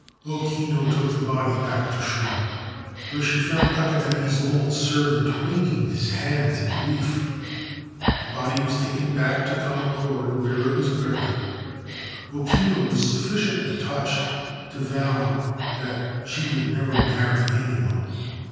O Kinu took the body back to shore, where she found Takadai's old servant wringing his hands in grief. The body was taken back to Kamakura, where it was buried. O Kinu was sufficiently touched to vow that she would never marry any one.